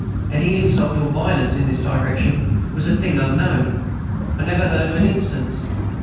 Any insult or violence in this direction was a thing unknown. I never heard of an instance.